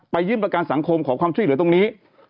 ยื่นประกันสังคมขอความช่วยเหลือตรงนี้